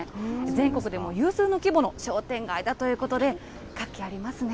全国でも有数の規模の商店街だということで、活気ありますね。